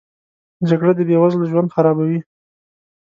جګړه د بې وزلو ژوند خرابوي